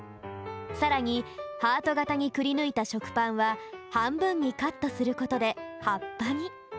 さらにハートがたにくりぬいたしょくパンははんぶんにカットすることではっぱに。